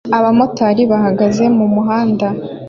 Abamotari bahagaze mu muhanda